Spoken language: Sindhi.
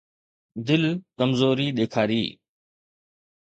دل ڪمزوري ڏيکاري.